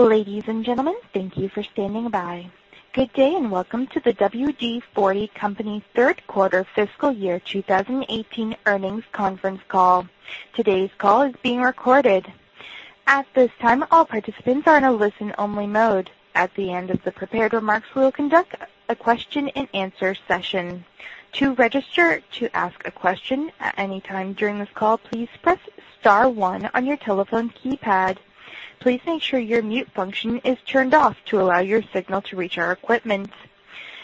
Ladies and gentlemen, thank you for standing by. Good day, and welcome to the WD-40 Company third quarter fiscal year 2018 earnings conference call. Today's call is being recorded. At this time, all participants are in a listen-only mode. At the end of the prepared remarks, we will conduct a question and answer session. To register to ask a question at any time during this call, please press star one on your telephone keypad. Please make sure your mute function is turned off to allow your signal to reach our equipment.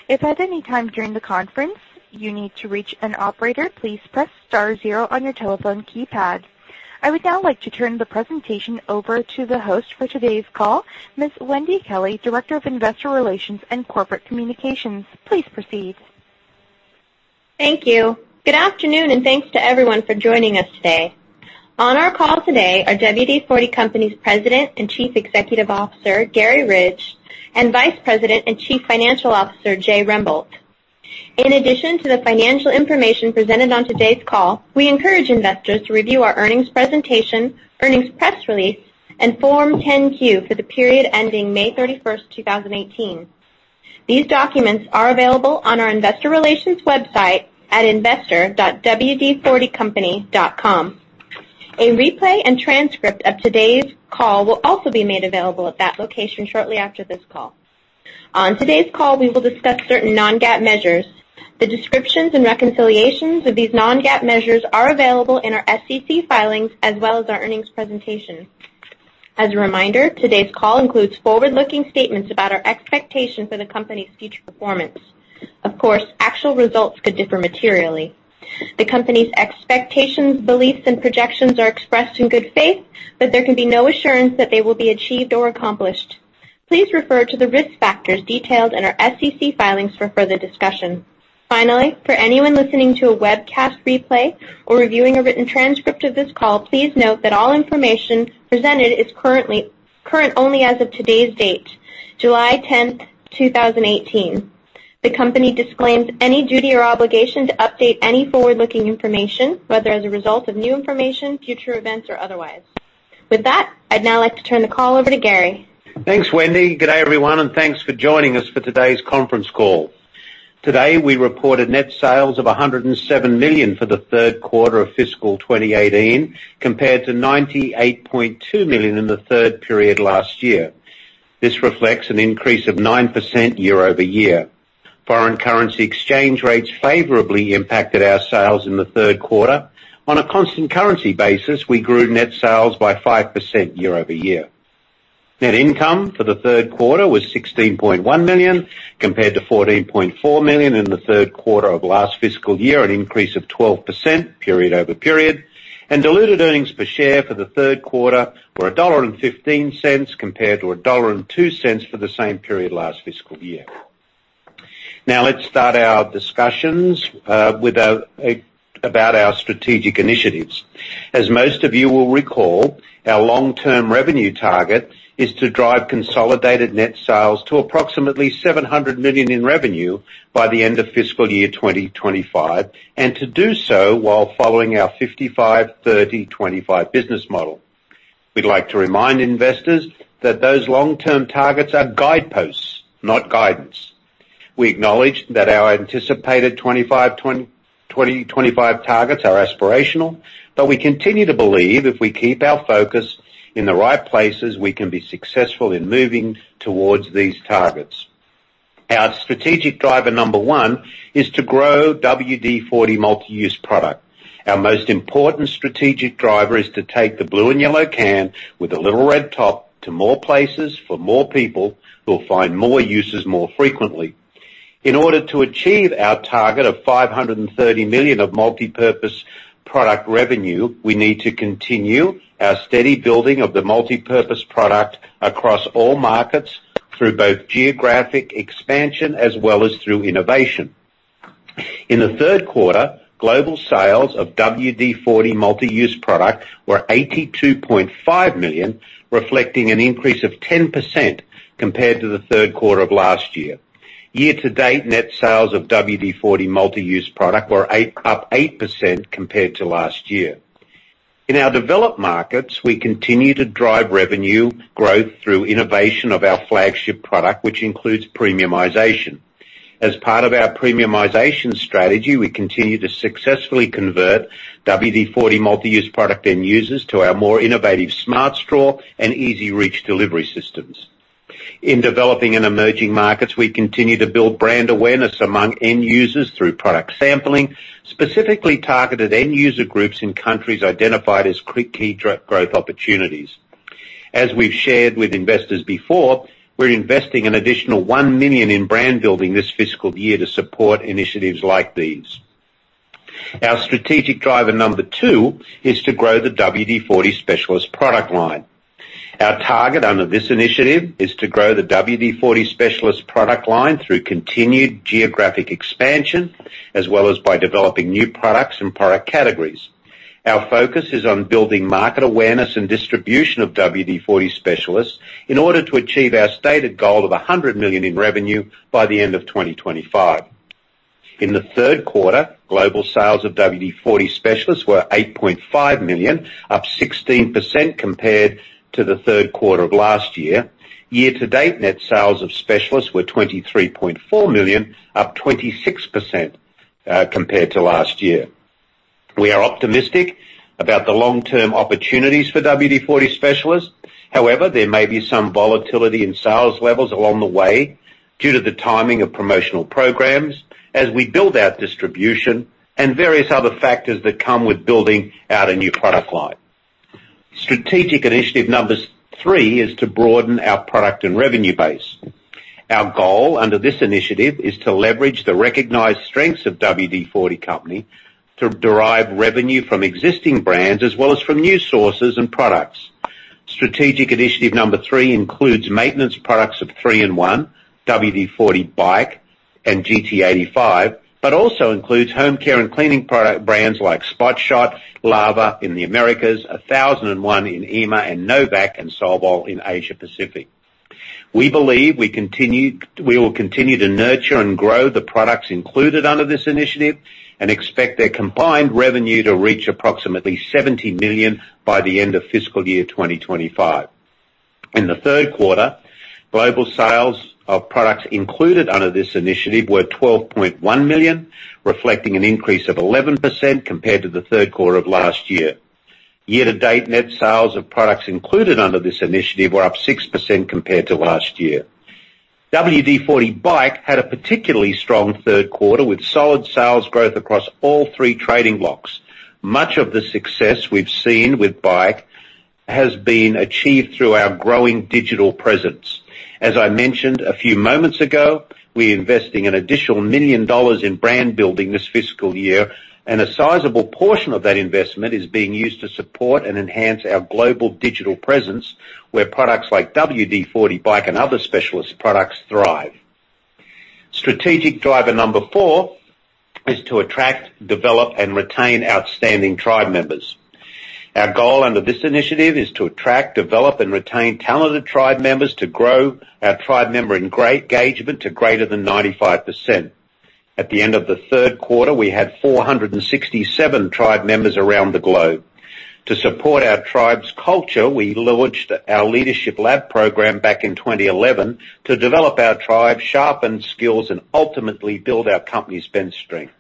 If at any time during the conference you need to reach an operator, please press star zero on your telephone keypad. I would now like to turn the presentation over to the host for today's call, Ms. Wendy Kelley, Director of Investor Relations and Corporate Communications. Please proceed. Thank you. Good afternoon. Thanks to everyone for joining us today. On our call today are WD-40 Company's President and Chief Executive Officer, Garry Ridge, and Vice President and Chief Financial Officer, Jay Rembold. In addition to the financial information presented on today's call, we encourage investors to review our earnings presentation, earnings press release, and Form 10-Q for the period ending May 31st, 2018. These documents are available on our investor relations website at investor.wd40company.com. A replay and transcript of today's call will also be made available at that location shortly after this call. On today's call, we will discuss certain non-GAAP measures. The descriptions and reconciliations of these non-GAAP measures are available in our SEC filings as well as our earnings presentation. As a reminder, today's call includes forward-looking statements about our expectations for the company's future performance. Of course, actual results could differ materially. The company's expectations, beliefs, and projections are expressed in good faith, but there can be no assurance that they will be achieved or accomplished. Please refer to the risk factors detailed in our SEC filings for further discussion. Finally, for anyone listening to a webcast replay or reviewing a written transcript of this call, please note that all information presented is current only as of today's date, July 10th, 2018. The company disclaims any duty or obligation to update any forward-looking information, whether as a result of new information, future events, or otherwise. With that, I'd now like to turn the call over to Garry. Thanks, Wendy. Good day, everyone. Thanks for joining us for today's conference call. Today, we reported net sales of $107 million for the third quarter of fiscal 2018, compared to $98.2 million in the third period last year. This reflects an increase of 9% year-over-year. Foreign currency exchange rates favorably impacted our sales in the third quarter. On a constant currency basis, we grew net sales by 5% year-over-year. Net income for the third quarter was $16.1 million, compared to $14.4 million in the third quarter of last fiscal year, an increase of 12% period-over-period, and diluted earnings per share for the third quarter were $1.15 compared to $1.02 for the same period last fiscal year. Now let's start our discussions about our strategic initiatives. As most of you will recall, our long-term revenue target is to drive consolidated net sales to approximately $700 million in revenue by the end of fiscal year 2025, and to do so while following our 55/30/25 business model. We would like to remind investors that those long-term targets are guideposts, not guidance. We acknowledge that our anticipated 2025 targets are aspirational, but we continue to believe if we keep our focus in the right places, we can be successful in moving towards these targets. Our strategic driver number one is to grow WD-40 Multi-Use Product. Our most important strategic driver is to take the blue and yellow can with a little red top to more places for more people who will find more uses more frequently. In order to achieve our target of $530 million of Multi-Use Product revenue, we need to continue our steady building of the Multi-Use Product across all markets through both geographic expansion as well as through innovation. In the third quarter, global sales of WD-40 Multi-Use Product were $82.5 million, reflecting an increase of 10% compared to the third quarter of last year. Year to date, net sales of WD-40 Multi-Use Product were up 8% compared to last year. In our developed markets, we continue to drive revenue growth through innovation of our flagship product, which includes premiumization. As part of our premiumization strategy, we continue to successfully convert WD-40 Multi-Use Product end users to our more innovative Smart Straw and EZ-REACH delivery systems. In developing and emerging markets, we continue to build brand awareness among end users through product sampling, specifically targeted end-user groups in countries identified as key growth opportunities. As we have shared with investors before, we are investing an additional $1 million in brand building this fiscal year to support initiatives like these. Our strategic driver number two is to grow the WD-40 Specialist product line. Our target under this initiative is to grow the WD-40 Specialist product line through continued geographic expansion as well as by developing new products and product categories. Our focus is on building market awareness and distribution of WD-40 Specialist in order to achieve our stated goal of $100 million in revenue by the end of 2025. In the third quarter, global sales of WD-40 Specialist were $8.5 million, up 16% compared to the third quarter of last year. Year to date, net sales of Specialist were $23.4 million, up 26% compared to last year. We are optimistic about the long-term opportunities for WD-40 Specialist. However, there may be some volatility in sales levels along the way due to the timing of promotional programs as we build out distribution and various other factors that come with building out a new product line. Strategic initiative number three is to broaden our product and revenue base. Our goal under this initiative is to leverage the recognized strengths of WD-40 Company to derive revenue from existing brands, as well as from new sources and products. Strategic initiative number three includes maintenance products of 3-IN-ONE, WD-40 BIKE, and GT85, but also includes home care and cleaning product brands like Spot Shot, Lava in the Americas, 1001 in EMEA, and no vac and Solvol in Asia Pacific. We believe we will continue to nurture and grow the products included under this initiative and expect their combined revenue to reach approximately $70 million by the end of fiscal year 2025. In the third quarter, global sales of products included under this initiative were $12.1 million, reflecting an increase of 11% compared to the third quarter of last year. Year to date, net sales of products included under this initiative were up 6% compared to last year. WD-40 BIKE had a particularly strong third quarter, with solid sales growth across all three trading blocks. Much of the success we've seen with BIKE has been achieved through our growing digital presence. As I mentioned a few moments ago, we're investing an additional $1 million in brand building this fiscal year. A sizable portion of that investment is being used to support and enhance our global digital presence, where products like WD-40 BIKE and other Specialist products thrive. Strategic driver number four is to attract, develop, and retain outstanding tribe members. Our goal under this initiative is to attract, develop, and retain talented tribe members to grow our tribe member engagement to greater than 95%. At the end of the third quarter, we had 467 tribe members around the globe. To support our tribe's culture, we launched our Leadership Lab program back in 2011 to develop our tribe, sharpen skills, and ultimately build our company's bench strength.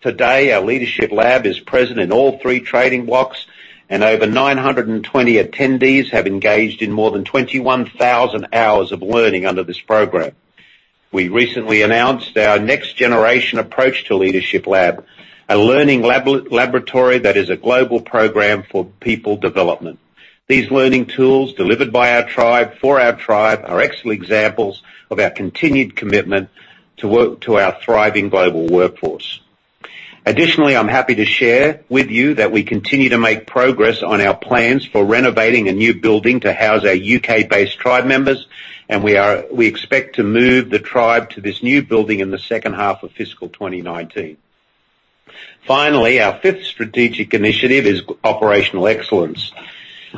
Today, our Leadership Lab is present in all three trading blocks. Over 920 attendees have engaged in more than 21,000 hours of learning under this program. We recently announced our next generation approach to Leadership Lab, a learning laboratory that is a global program for people development. These learning tools, delivered by our tribe for our tribe, are excellent examples of our continued commitment to our thriving global workforce. Additionally, I'm happy to share with you that we continue to make progress on our plans for renovating a new building to house our U.K.-based tribe members. We expect to move the tribe to this new building in the second half of fiscal 2019. Finally, our fifth strategic initiative is operational excellence.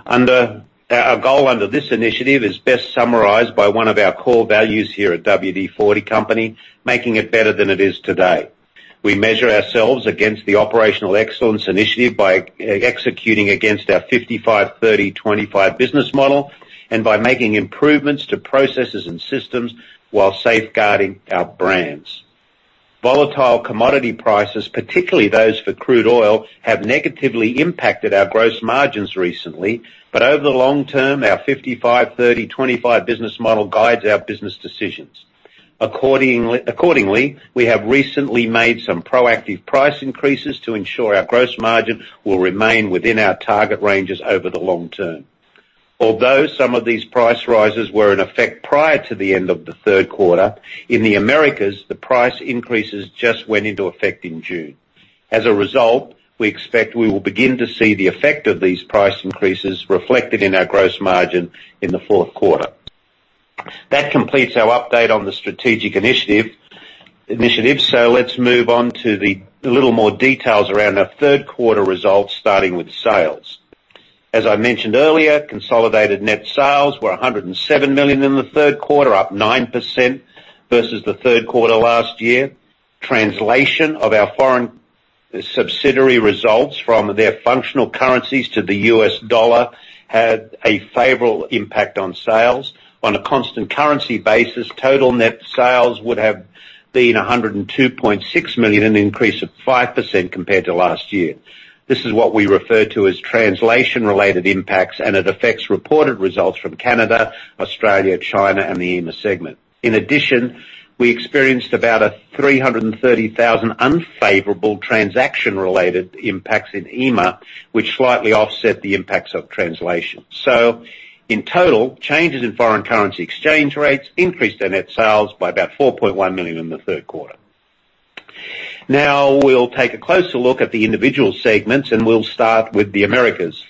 Our goal under this initiative is best summarized by one of our core values here at WD-40 Company, making it better than it is today. We measure ourselves against the operational excellence initiative by executing against our 55/30/25 business model and by making improvements to processes and systems while safeguarding our brands. Volatile commodity prices, particularly those for crude oil, have negatively impacted our gross margins recently. Over the long term, our 55/30/25 business model guides our business decisions. Accordingly, we have recently made some proactive price increases to ensure our gross margin will remain within our target ranges over the long term. Some of these price rises were in effect prior to the end of the third quarter. In the Americas, the price increases just went into effect in June. As a result, we expect we will begin to see the effect of these price increases reflected in our gross margin in the fourth quarter. That completes our update on the strategic initiatives. Let's move on to the little more details around our third quarter results, starting with sales. As I mentioned earlier, consolidated net sales were $107 million in the third quarter, up 9% versus the third quarter last year. Translation of our foreign subsidiary results from their functional currencies to the U.S. dollar had a favorable impact on sales. On a constant currency basis, total net sales would have been $102.6 million, an increase of 5% compared to last year. This is what we refer to as translation-related impacts, and it affects reported results from Canada, Australia, China, and the EMEA segment. In addition, we experienced about a $330,000 unfavorable transaction-related impacts in EMEA, which slightly offset the impacts of translation. In total, changes in foreign currency exchange rates increased our net sales by about $4.1 million in the third quarter. We'll take a closer look at the individual segments, and we'll start with the Americas.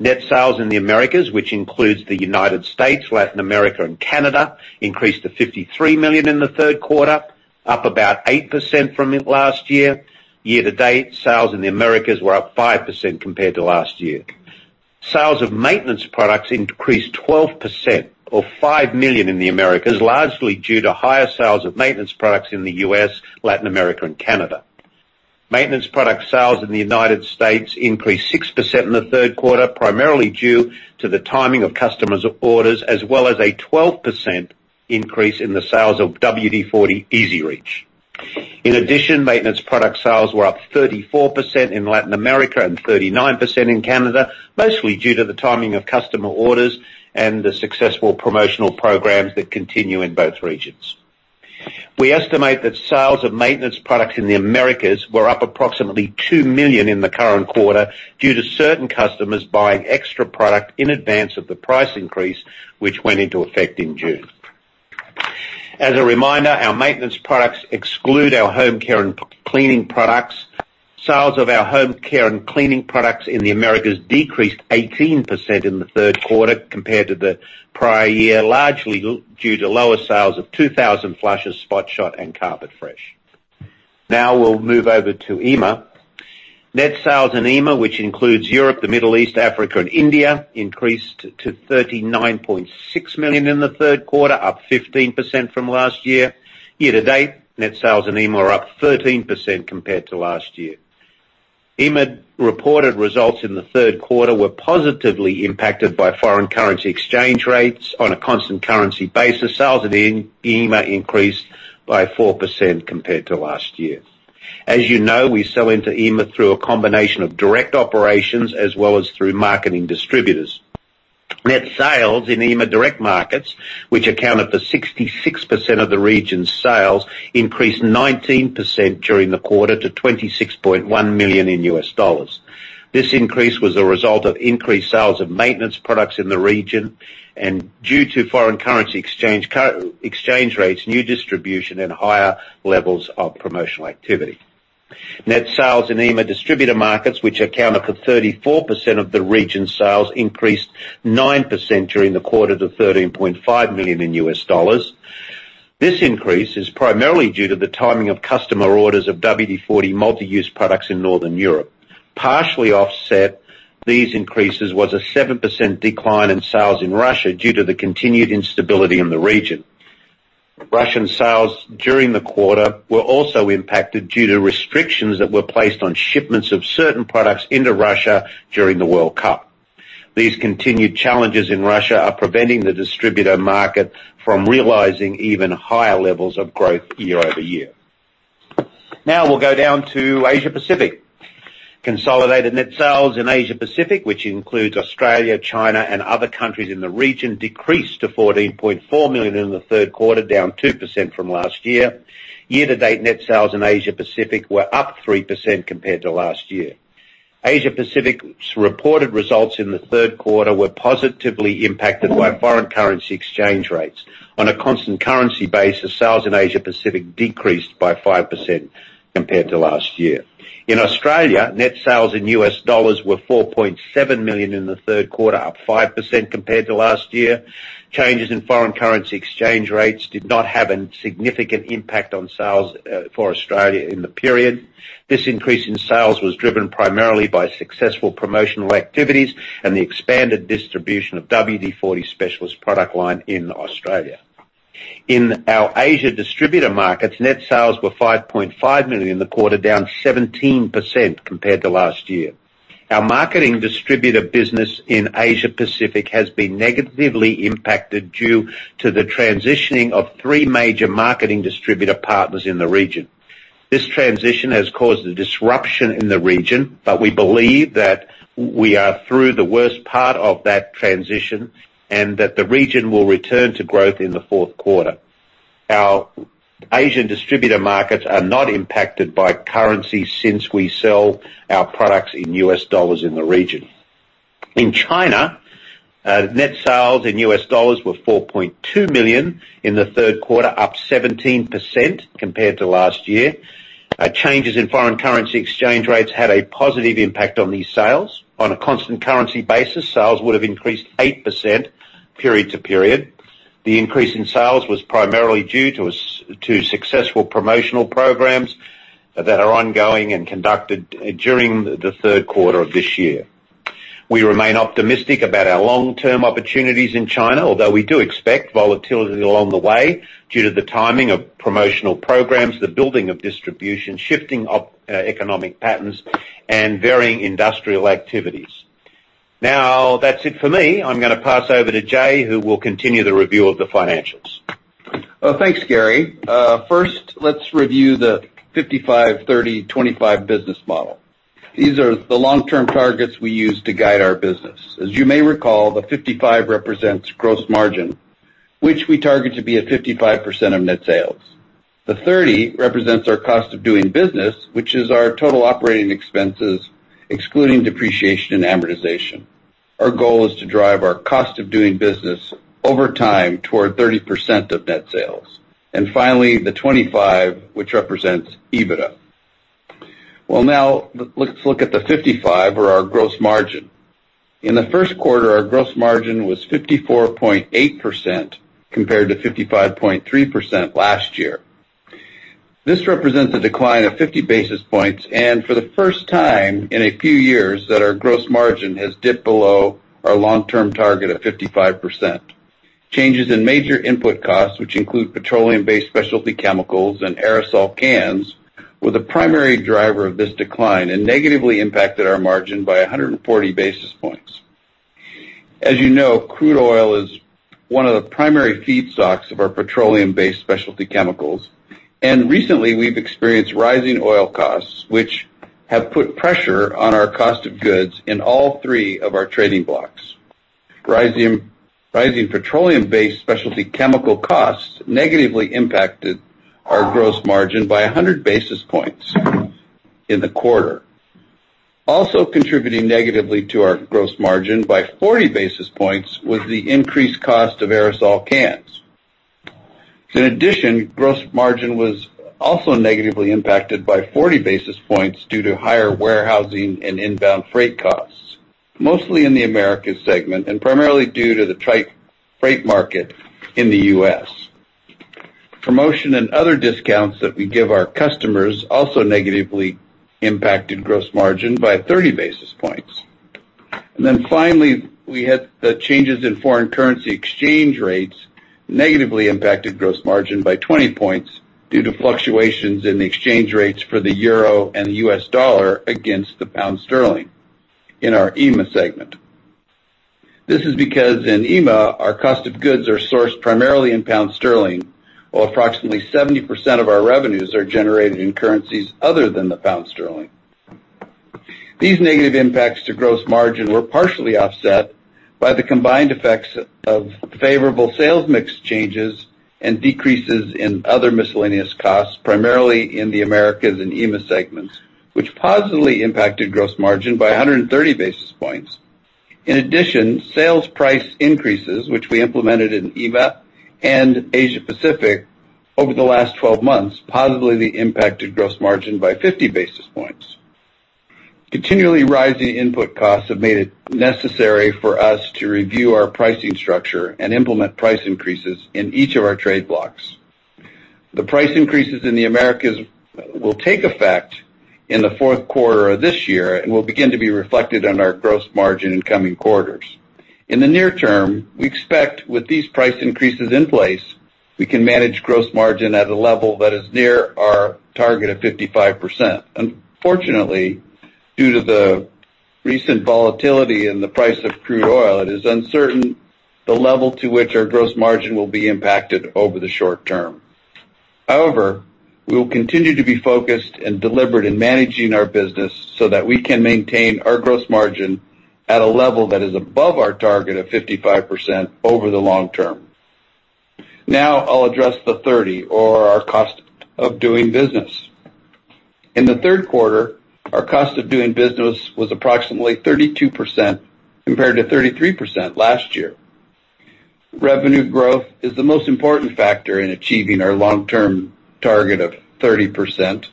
Net sales in the Americas, which includes the United States, Latin America, and Canada, increased to $53 million in the third quarter, up about 8% from last year. Year to date, sales in the Americas were up 5% compared to last year. Sales of maintenance products increased 12%, or $5 million in the Americas, largely due to higher sales of maintenance products in the U.S., Latin America, and Canada. Maintenance product sales in the United States increased 6% in the third quarter, primarily due to the timing of customers' orders, as well as a 12% increase in the sales of WD-40 EZ-REACH. In addition, maintenance product sales were up 34% in Latin America and 39% in Canada, mostly due to the timing of customer orders and the successful promotional programs that continue in both regions. We estimate that sales of maintenance products in the Americas were up approximately $2 million in the current quarter, due to certain customers buying extra product in advance of the price increase, which went into effect in June. As a reminder, our maintenance products exclude our home care and cleaning products. Sales of our home care and cleaning products in the Americas decreased 18% in the third quarter compared to the prior year, largely due to lower sales of 2000 Flushes, Spot Shot, and Carpet Fresh. We'll move over to EMEA. Net sales in EMEA, which includes Europe, the Middle East, Africa, and India, increased to $39.6 million in the third quarter, up 15% from last year. Year to date, net sales in EMEA are up 13% compared to last year. EMEA reported results in the third quarter were positively impacted by foreign currency exchange rates. On a constant currency basis, sales in EMEA increased by 4% compared to last year. As you know, we sell into EMEA through a combination of direct operations as well as through marketing distributors. Net sales in EMEA direct markets, which accounted for 66% of the region's sales, increased 19% during the quarter to $26.1 million in U.S. dollars. This increase was a result of increased sales of maintenance products in the region, and due to foreign currency exchange rates, new distribution, and higher levels of promotional activity. Net sales in EMEA distributor markets, which accounted for 34% of the region's sales, increased 9% during the quarter to $13.5 million in US dollars. This increase is primarily due to the timing of customer orders of WD-40 Multi-Use Product in Northern Europe. Partially offset these increases was a 7% decline in sales in Russia due to the continued instability in the region. Russian sales during the quarter were also impacted due to restrictions that were placed on shipments of certain products into Russia during the World Cup. These continued challenges in Russia are preventing the distributor market from realizing even higher levels of growth year-over-year. We'll go down to Asia Pacific. Consolidated net sales in Asia Pacific, which includes Australia, China, and other countries in the region, decreased to $14.4 million in the third quarter, down 2% from last year. Year to date, net sales in Asia Pacific were up 3% compared to last year. Asia Pacific's reported results in the third quarter were positively impacted by foreign currency exchange rates. On a constant currency basis, sales in Asia Pacific decreased by 5% compared to last year. In Australia, net sales in US dollars were $4.7 million in the third quarter, up 5% compared to last year. Changes in foreign currency exchange rates did not have a significant impact on sales for Australia in the period. This increase in sales was driven primarily by successful promotional activities and the expanded distribution of WD-40 Specialist product line in Australia. In our Asia distributor markets, net sales were $5.5 million in the quarter, down 17% compared to last year. Our marketing distributor business in Asia Pacific has been negatively impacted due to the transitioning of 3 major marketing distributor partners in the region. This transition has caused a disruption in the region, but we believe that we are through the worst part of that transition, and that the region will return to growth in the fourth quarter. Our Asian distributor markets are not impacted by currency since we sell our products in US dollars in the region. In China, net sales in US dollars were $4.2 million in the third quarter, up 17% compared to last year. Changes in foreign currency exchange rates had a positive impact on these sales. On a constant currency basis, sales would have increased 8% period to period. The increase in sales was primarily due to successful promotional programs that are ongoing and conducted during the third quarter of this year. We remain optimistic about our long-term opportunities in China, although we do expect volatility along the way due to the timing of promotional programs, the building of distribution, shifting of economic patterns, and varying industrial activities. That's it for me. I'm gonna pass over to Jay, who will continue the review of the financials. Thanks, Garry. First, let's review the 55/30/25 business model. These are the long-term targets we use to guide our business. As you may recall, the 55 represents gross margin, which we target to be at 55% of net sales. The 30 represents our cost of doing business, which is our total operating expenses, excluding depreciation and amortization. Our goal is to drive our cost of doing business over time toward 30% of net sales. Finally, the 25, which represents EBITDA. Well, now, let's look at the 55, or our gross margin. In the first quarter, our gross margin was 54.8% compared to 55.3% last year. This represents a decline of 50 basis points, and for the first time in a few years that our gross margin has dipped below our long-term target of 55%. Changes in major input costs, which include petroleum-based specialty chemicals and aerosol cans, were the primary driver of this decline and negatively impacted our margin by 140 basis points. As you know, crude oil is one of the primary feedstocks of our petroleum-based specialty chemicals. Recently, we've experienced rising oil costs, which have put pressure on our cost of goods in all three of our trading blocks. Rising petroleum-based specialty chemical costs negatively impacted our gross margin by 100 basis points in the quarter. Also contributing negatively to our gross margin by 40 basis points was the increased cost of aerosol cans. In addition, gross margin was also negatively impacted by 40 basis points due to higher warehousing and inbound freight costs, mostly in the Americas segment, and primarily due to the tight freight market in the U.S. Promotion and other discounts that we give our customers also negatively impacted gross margin by 30 basis points. Finally, we had the changes in foreign currency exchange rates negatively impacted gross margin by 20 basis points due to fluctuations in the exchange rates for the EUR and the U.S. dollar against the GBP in our EMEA segment. This is because in EMEA, our cost of goods are sourced primarily in GBP, while approximately 70% of our revenues are generated in currencies other than the GBP. These negative impacts to gross margin were partially offset by the combined effects of favorable sales mix changes and decreases in other miscellaneous costs, primarily in the Americas and EMEA segments, which positively impacted gross margin by 130 basis points. In addition, sales price increases, which we implemented in EMEA and Asia Pacific over the last 12 months, positively impacted gross margin by 50 basis points. Continually rising input costs have made it necessary for us to review our pricing structure and implement price increases in each of our trade blocks. The price increases in the Americas will take effect in the fourth quarter of this year and will begin to be reflected on our gross margin in coming quarters. In the near term, we expect with these price increases in place, we can manage gross margin at a level that is near our target of 55%. Unfortunately, due to the recent volatility in the price of crude oil, it is uncertain the level to which our gross margin will be impacted over the short term. However, we will continue to be focused and deliberate in managing our business so that we can maintain our gross margin at a level that is above our target of 55% over the long term. I'll address the 30%, or our cost of doing business. In the third quarter, our cost of doing business was approximately 32% compared to 33% last year. Revenue growth is the most important factor in achieving our long-term target of 30%.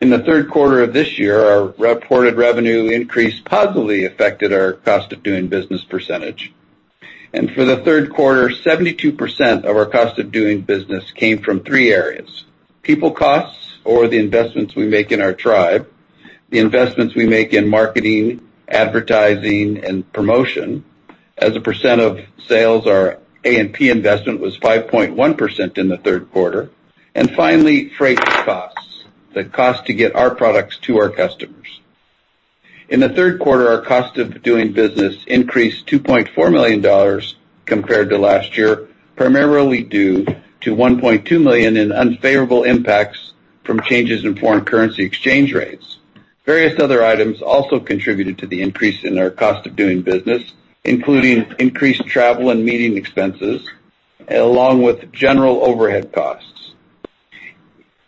In the third quarter of this year, our reported revenue increase positively affected our cost of doing business percentage. For the third quarter, 72% of our cost of doing business came from three areas. People costs, or the investments we make in our tribe, the investments we make in marketing, advertising, and promotion. As a percent of sales, our A&P investment was 5.1% in the third quarter. Finally, freight costs, the cost to get our products to our customers. In the third quarter, our cost of doing business increased $2.4 million compared to last year, primarily due to $1.2 million in unfavorable impacts from changes in foreign currency exchange rates. Various other items also contributed to the increase in our cost of doing business, including increased travel and meeting expenses, along with general overhead costs.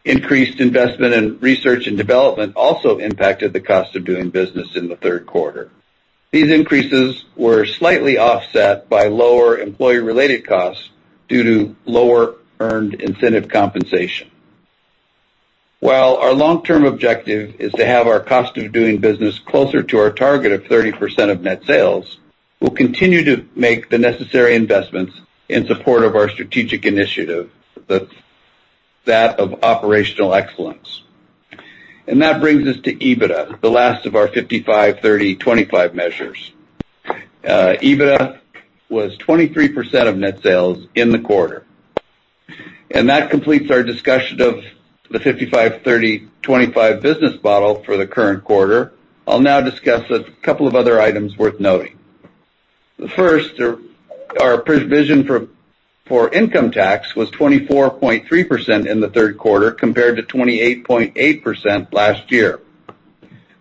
Increased investment in research and development also impacted the cost of doing business in the third quarter. These increases were slightly offset by lower employee-related costs due to lower earned incentive compensation. While our long-term objective is to have our cost of doing business closer to our target of 30% of net sales, we'll continue to make the necessary investments in support of our strategic initiative, that of operational excellence. That brings us to EBITDA, the last of our 55/30/25 measures. EBITDA was 23% of net sales in the quarter. That completes our discussion of the 55/30/25 business model for the current quarter. I'll now discuss a couple of other items worth noting. The first, our provision for income tax was 24.3% in the third quarter, compared to 28.8% last year.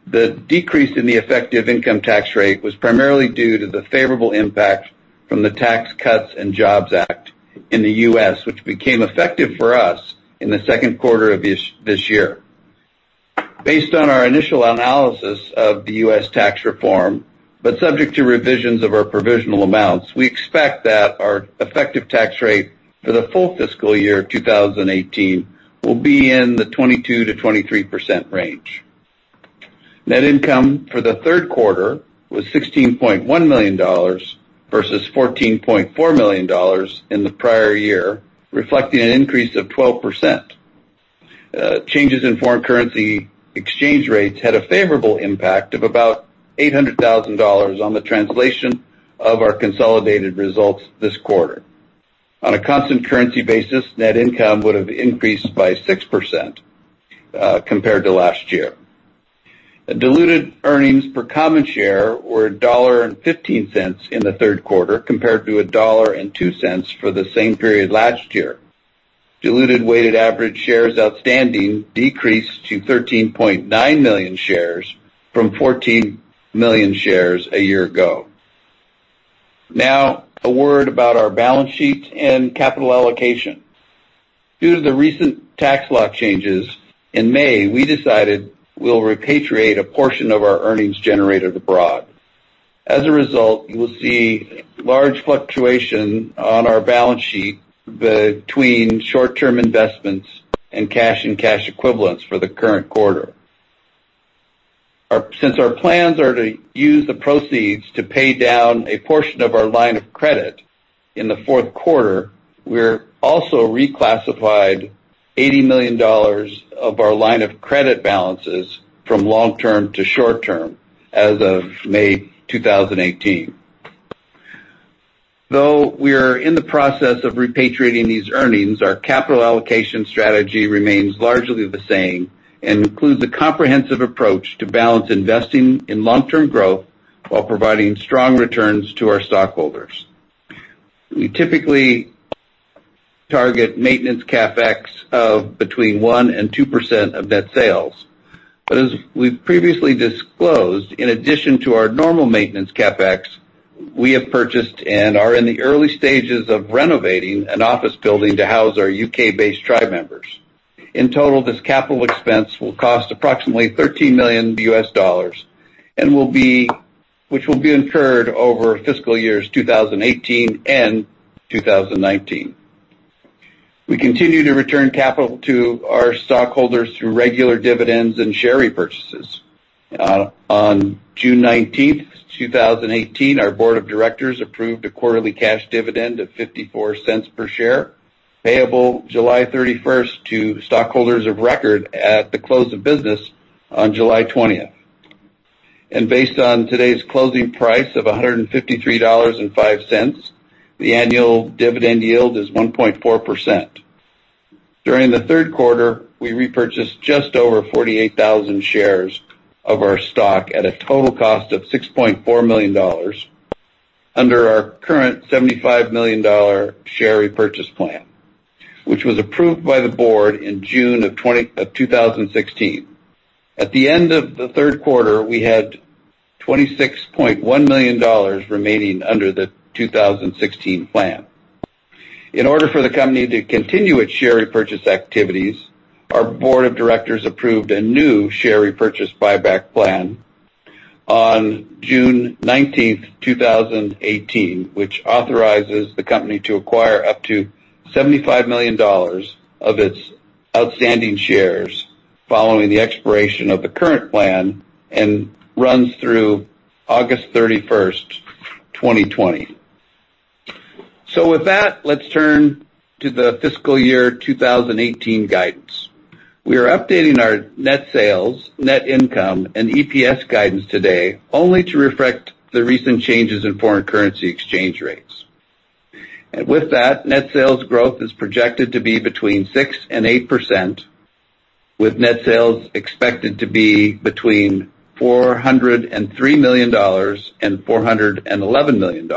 The decrease in the effective income tax rate was primarily due to the favorable impact from the Tax Cuts and Jobs Act in the U.S., which became effective for us in the second quarter of this year. Based on our initial analysis of the U.S. tax reform, but subject to revisions of our provisional amounts, we expect that our effective tax rate for the full fiscal year 2018 will be in the 22%-23% range. Net income for the third quarter was $16.1 million versus $14.4 million in the prior year, reflecting an increase of 12%. Changes in foreign currency exchange rates had a favorable impact of about $800,000 on the translation of our consolidated results this quarter. On a constant currency basis, net income would have increased by 6% compared to last year. Diluted earnings per common share were $1.15 in the third quarter, compared to $1.02 for the same period last year. Diluted weighted average shares outstanding decreased to 13.9 million shares from 14 million shares a year ago. A word about our balance sheet and capital allocation. Due to the recent tax law changes in May, we decided we'll repatriate a portion of our earnings generated abroad. As a result, you will see large fluctuation on our balance sheet between short-term investments and cash and cash equivalents for the current quarter. Since our plans are to use the proceeds to pay down a portion of our line of credit in the fourth quarter, we are also reclassified $80 million of our line of credit balances from long-term to short-term as of May 2018. Though we are in the process of repatriating these earnings, our capital allocation strategy remains largely the same and includes a comprehensive approach to balance investing in long-term growth while providing strong returns to our stockholders. We typically target maintenance CapEx of between 1% and 2% of net sales. As we have previously disclosed, in addition to our normal maintenance CapEx, we have purchased and are in the early stages of renovating an office building to house our U.K.-based tribe members. In total, this capital expense will cost approximately $13 million, which will be incurred over fiscal years 2018 and 2019. We continue to return capital to our stockholders through regular dividends and share repurchases. On June 19th, 2018, our board of directors approved a quarterly cash dividend of $0.54 per share, payable July 31st to stockholders of record at the close of business on July 20th. Based on today's closing price of $153.05, the annual dividend yield is 1.4%. During the third quarter, we repurchased just over 48,000 shares of our stock at a total cost of $6.4 million under our current $75 million share repurchase plan, which was approved by the board in June of 2016. At the end of the third quarter, we had $26.1 million remaining under the 2016 plan. In order for the company to continue its share repurchase activities, our board of directors approved a new share repurchase buyback plan on June 19th, 2018, which authorizes the company to acquire up to $75 million of its outstanding shares following the expiration of the current plan, and runs through August 31st, 2020. With that, let's turn to the fiscal year 2018 guidance. We are updating our net sales, net income, and EPS guidance today, only to reflect the recent changes in foreign currency exchange rates. With that, net sales growth is projected to be between 6% and 8%, with net sales expected to be between $403 million and $411 million.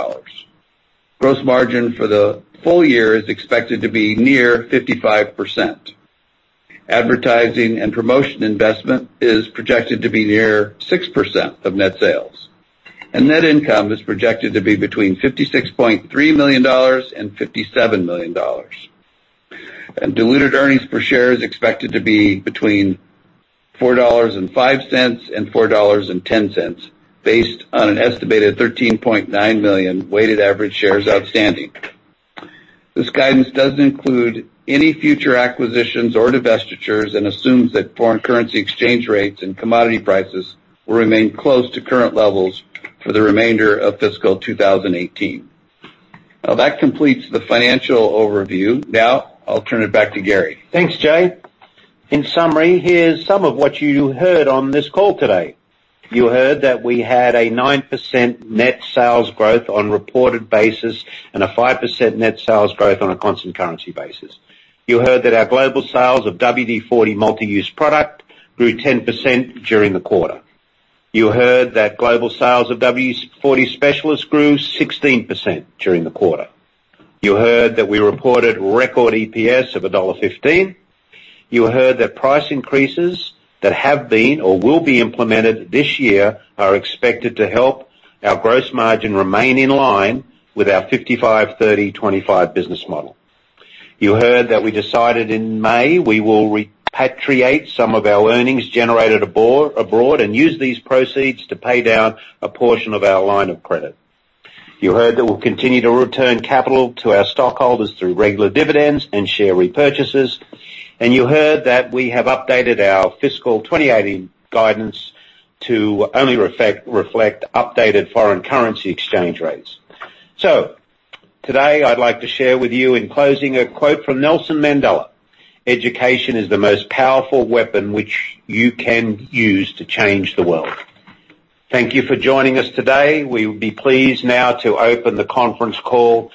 Gross margin for the full year is expected to be near 55%. Advertising and promotion investment is projected to be near 6% of net sales. Net income is projected to be between $56.3 million and $57 million. Diluted earnings per share is expected to be between $4.05 and $4.10, based on an estimated 13.9 million weighted average shares outstanding. This guidance does not include any future acquisitions or divestitures and assumes that foreign currency exchange rates and commodity prices will remain close to current levels for the remainder of fiscal 2018. That completes the financial overview. I will turn it back to Garry. Thanks, Jay. In summary, here's some of what you heard on this call today. You heard that we had a 9% net sales growth on reported basis and a 5% net sales growth on a constant currency basis. You heard that our global sales of WD-40 Multi-Use Product grew 10% during the quarter. You heard that global sales of WD-40 Specialist grew 16% during the quarter. You heard that we reported record EPS of $1.15. You heard that price increases that have been or will be implemented this year are expected to help our gross margin remain in line with our 55/30/25 business model. You heard that we decided in May we will repatriate some of our earnings generated abroad and use these proceeds to pay down a portion of our line of credit. You heard that we'll continue to return capital to our stockholders through regular dividends and share repurchases. You heard that we have updated our fiscal 2018 guidance to only reflect updated foreign currency exchange rates. Today, I'd like to share with you, in closing, a quote from Nelson Mandela. "Education is the most powerful weapon which you can use to change the world." Thank you for joining us today. We will be pleased now to open the conference call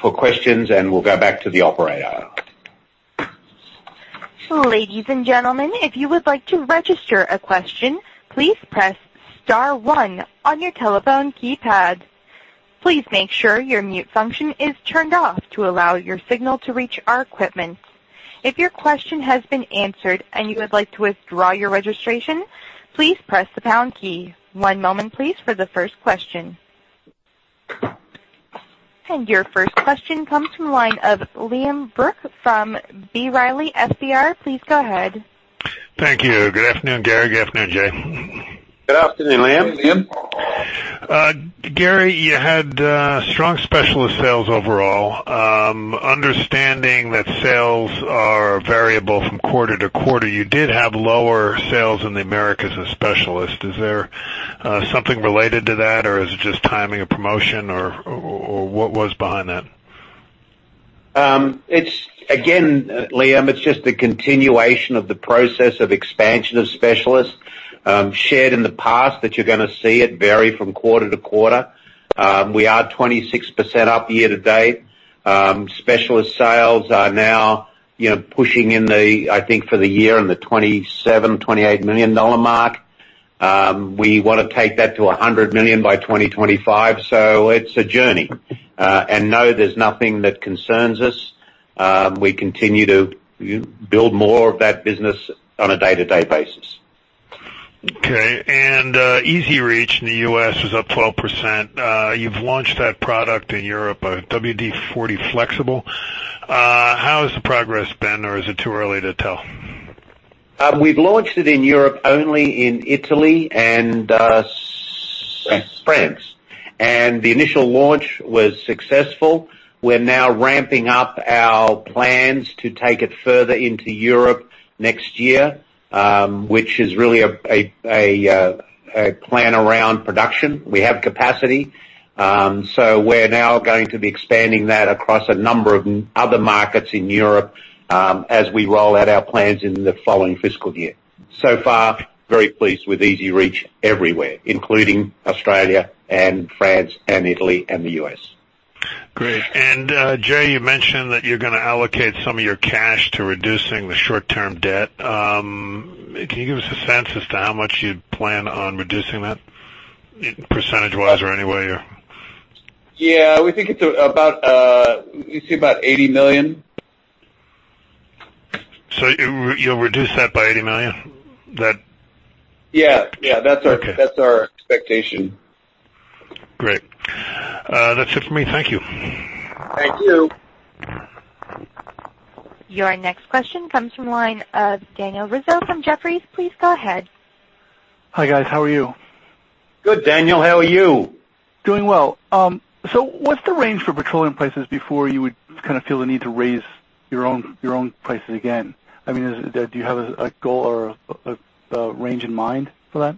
for questions, and we'll go back to the operator. Ladies and gentlemen, if you would like to register a question, please press star one on your telephone keypad. Please make sure your mute function is turned off to allow your signal to reach our equipment. If your question has been answered and you would like to withdraw your registration, please press the pound key. One moment, please, for the first question. Your first question comes from the line of Liam Brooke from B. Riley FBR. Please go ahead. Thank you. Good afternoon, Garry. Good afternoon, Jay. Good afternoon, Liam. Good afternoon, Liam. Garry, you had strong Specialist sales overall. Understanding that sales are variable from quarter to quarter, you did have lower sales in the Americas as Specialist. Is there something related to that, or is it just timing of promotion, or what was behind that? Again, Liam, it's just the continuation of the process of expansion of Specialist. Shared in the past that you're going to see it vary from quarter to quarter. We are 26% up year-to-date. Specialist sales are now pushing in the, I think for the year, in the $27, $28 million mark. We want to take that to $100 million by 2025. It's a journey. No, there's nothing that concerns us. We continue to build more of that business on a day-to-day basis. Okay. EZ-REACH in the U.S. was up 12%. You've launched that product in Europe, WD-40 Flexible. How has the progress been, or is it too early to tell? We've launched it in Europe, only in Italy and- France France. The initial launch was successful. We're now ramping up our plans to take it further into Europe next year, which is really a plan around production. We have capacity. We're now going to be expanding that across a number of other markets in Europe as we roll out our plans in the following fiscal year. So far, very pleased with EZ-REACH everywhere, including Australia and France and Italy and the U.S. Great. Jay, you mentioned that you're going to allocate some of your cash to reducing the short-term debt. Can you give us a sense as to how much you'd plan on reducing that, percentage-wise or any way? Yeah, we think it's about $80 million. You'll reduce that by $80 million? Yeah. Okay. That's our expectation. Great. That's it for me. Thank you. Thank you. Your next question comes from the line of Daniel Rizzo from Jefferies. Please go ahead. Hi, guys. How are you? Good, Daniel. How are you? Doing well. What's the range for petroleum prices before you would feel the need to raise your own prices again? Do you have a goal or a range in mind for that?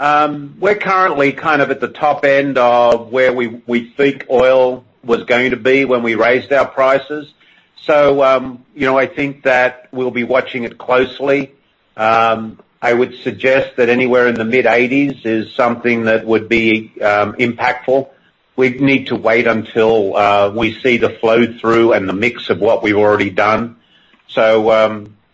We're currently at the top end of where we think oil was going to be when we raised our prices. I think that we'll be watching it closely. I would suggest that anywhere in the mid-80s is something that would be impactful. We'd need to wait until we see the flow-through and the mix of what we've already done.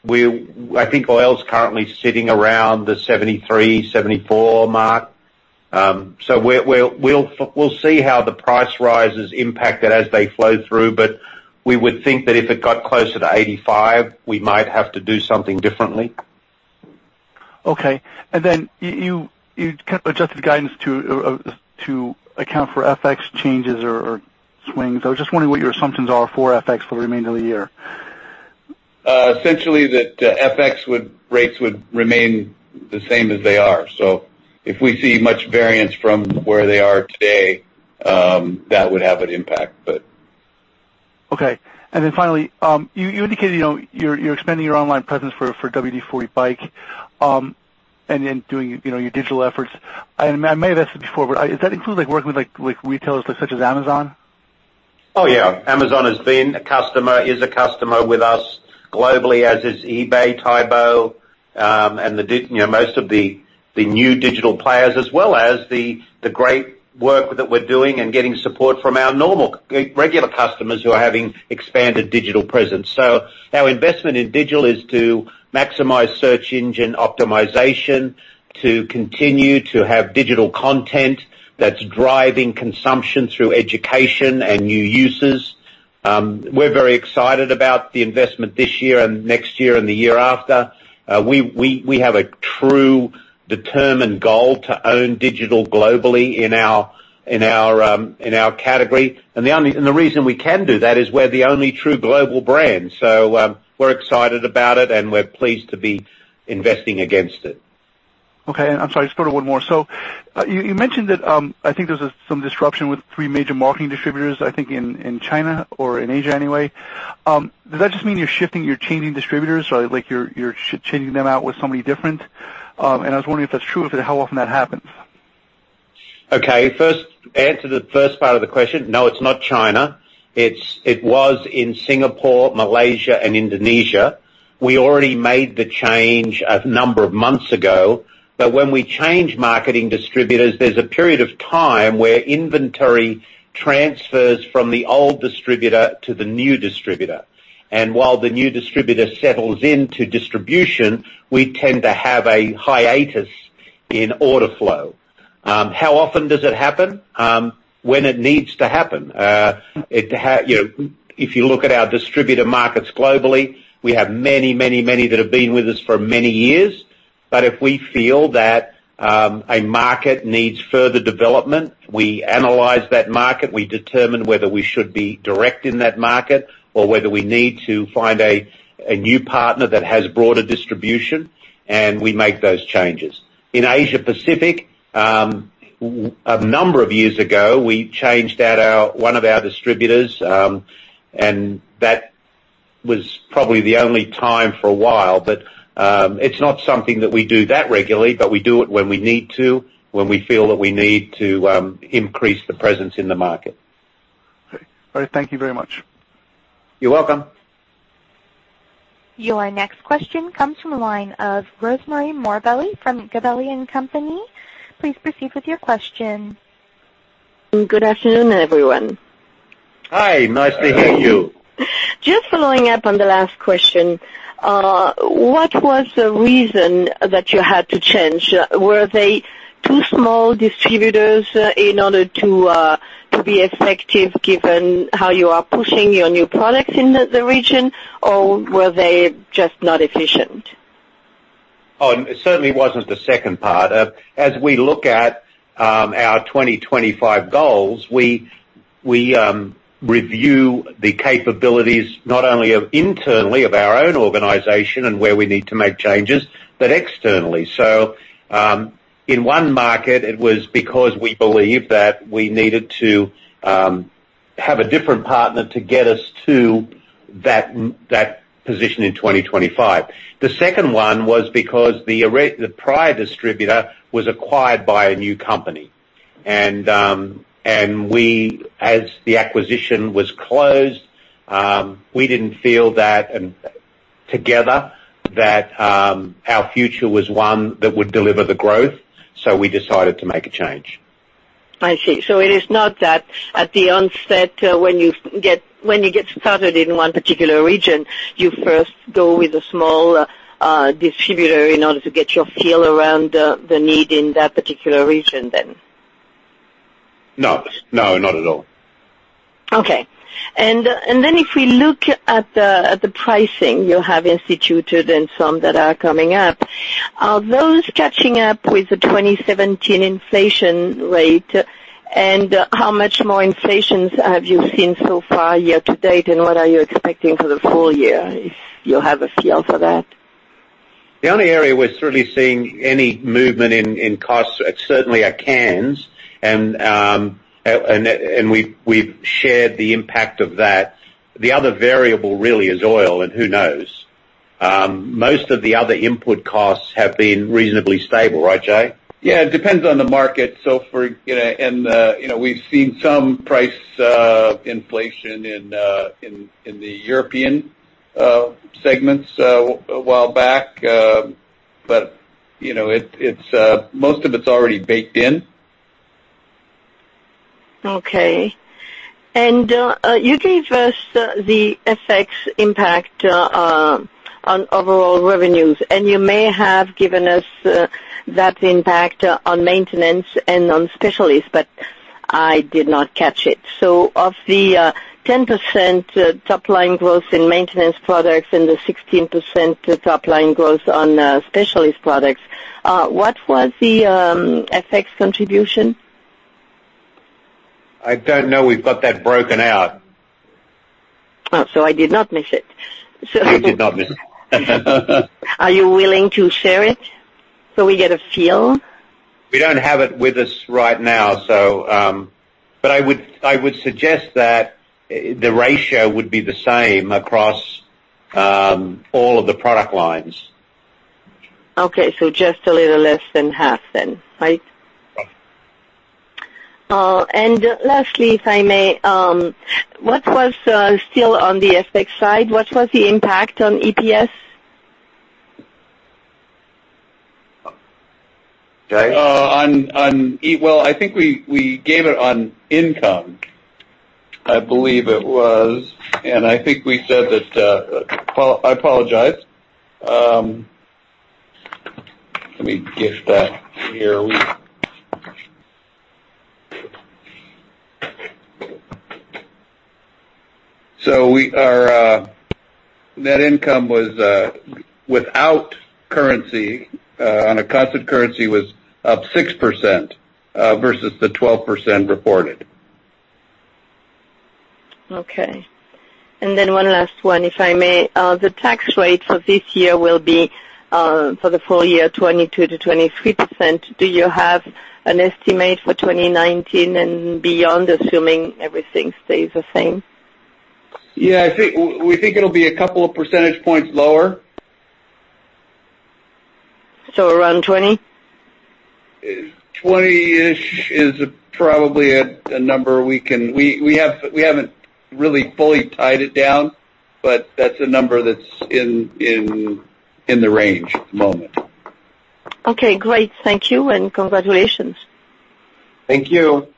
I think oil's currently sitting around the 73, 74 mark. We'll see how the price rises impact it as they flow through, but we would think that if it got closer to 85, we might have to do something differently. Okay. Then you adjusted guidance to account for FX changes or swings. I was just wondering what your assumptions are for FX for the remainder of the year. Essentially, the FX rates would remain the same as they are. If we see much variance from where they are today, that would have an impact. Finally, you indicated you're expanding your online presence for WD-40 BIKE, and then doing your digital efforts. I may have asked you before, but does that include working with retailers such as Amazon? Oh, yeah. Amazon has been a customer, is a customer with us globally, as is eBay, Taobao, and most of the new digital players, as well as the great work that we're doing and getting support from our normal, regular customers who are having expanded digital presence. Our investment in digital is to maximize search engine optimization, to continue to have digital content that's driving consumption through education and new uses. We're very excited about the investment this year and next year and the year after. We have a true determined goal to own digital globally in our category. The reason we can do that is we're the only true global brand. We're excited about it, and we're pleased to be investing against it. Okay. I'm sorry, just one more. You mentioned that, I think there's some disruption with three major marketing distributors, I think, in China or in Asia anyway. Does that just mean you're shifting, you're changing distributors? Like you're changing them out with somebody different? I was wondering if that's true, how often that happens? Okay. First, answer the first part of the question. No, it's not China. It was in Singapore, Malaysia, and Indonesia. We already made the change a number of months ago. When we change marketing distributors, there's a period of time where inventory transfers from the old distributor to the new distributor. While the new distributor settles into distribution, we tend to have a hiatus in order flow. How often does it happen? When it needs to happen. If you look at our distributor markets globally, we have many that have been with us for many years. If we feel that a market needs further development, we analyze that market, we determine whether we should be direct in that market or whether we need to find a new partner that has broader distribution, we make those changes. In Asia Pacific, a number of years ago, we changed one of our distributors, that was probably the only time for a while. It's not something that we do that regularly, but we do it when we need to, when we feel that we need to increase the presence in the market. Okay. All right. Thank you very much. You're welcome. Your next question comes from the line of Rosemarie Morbelli from Gabelli & Company. Please proceed with your question. Good afternoon, everyone. Hi, nice to hear you. Just following up on the last question. What was the reason that you had to change? Were they too small distributors in order to be effective given how you are pushing your new products in the region? Or were they just not efficient? Oh, it certainly wasn't the second part. As we look at our 2025 goals, we review the capabilities not only of internally of our own organization and where we need to make changes, but externally. In one market, it was because we believed that we needed to have a different partner to get us to that position in 2025. The second one was because the prior distributor was acquired by a new company. As the acquisition was closed, we didn't feel together that our future was one that would deliver the growth, so we decided to make a change. I see. It is not that at the onset, when you get started in one particular region, you first go with a small distributor in order to get your feel around the need in that particular region then. No, not at all. Okay. If we look at the pricing you have instituted and some that are coming up, are those catching up with the 2017 inflation rate? How much more inflations have you seen so far year-to-date, and what are you expecting for the full year, if you have a feel for that? The only area we're certainly seeing any movement in costs certainly are cans, and we've shared the impact of that. The other variable really is oil, who knows? Most of the other input costs have been reasonably stable, right, Jay? It depends on the market. We've seen some price inflation in the European segments a while back. Most of it's already baked in. You gave us the FX impact on overall revenues. You may have given us that impact on maintenance and on Specialist, I did not catch it. Of the 10% top line growth in maintenance products and the 16% top line growth on Specialist products, what was the FX contribution? I don't know we've got that broken out. I did not miss it. You did not miss it. Are you willing to share it so we get a feel? We don't have it with us right now. I would suggest that the ratio would be the same across all of the product lines. Okay. Just a little less than half then, right? Right. lastly, if I may, still on the FX side, what was the impact on EPS? Jay? Well, I think we gave it on income. I believe it was. I apologize. Let me get that here. Our net income without currency, on a constant currency, was up 6% versus the 12% reported. Okay. One last one, if I may. The tax rate for this year will be, for the full year, 22%-23%. Do you have an estimate for 2019 and beyond, assuming everything stays the same? Yeah, we think it'll be a couple of percentage points lower. around 20? 20-ish is probably a number. We haven't really fully tied it down, but that's a number that's in the range at the moment. Okay, great. Thank you, congratulations. Thank you.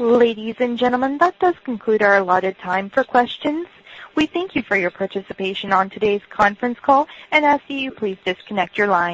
Ladies and gentlemen, that does conclude our allotted time for questions. We thank you for your participation on today's conference call and ask that you please disconnect your lines.